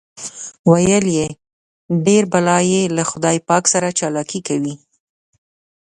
ویل یې ډېر بلا یې له خدای پاک سره چالاکي کوي.